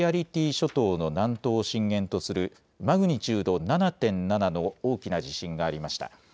諸島の南東を震源とするマグニチュード７．７の大きな地震がありました。